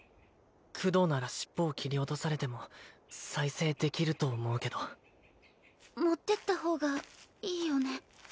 クドーなら尻尾を切り落とされても再生できると思うけど持ってった方がいいよね